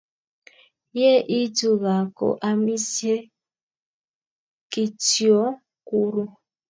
Ye itu gaa ko amisie kityoakuru